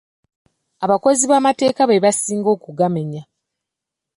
Abakozi b'amateeka be basinga okugamenya.